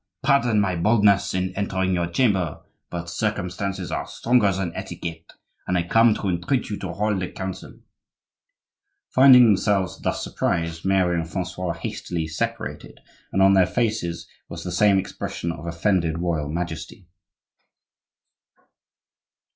Pardon my boldness in entering your chamber; but circumstances are stronger than etiquette, and I come to entreat you to hold a council." Finding themselves thus surprised, Mary and Francois hastily separated, and on their faces was the same expression of offended royal majesty.